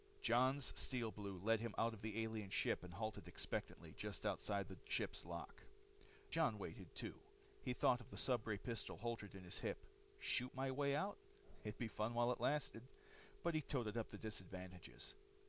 Jon's Steel Blue led him out of the alien ship and halted expectantly just outside the ship's lock. Jon Karyl waited, too. He thought of the stubray pistol holstered at his hip. Shoot my way out? It'd be fun while it lasted. But he toted up the disadvantages.